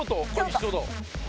一緒だわ。